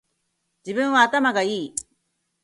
自分は頭がいい